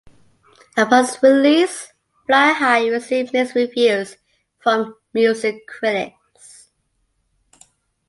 Upon its release, "Fly High" received mixed reviews from music critics.